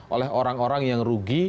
oleh orang orang yang rugi